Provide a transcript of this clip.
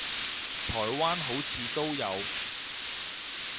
台灣好似都有